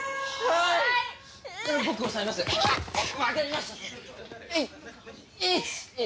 はい。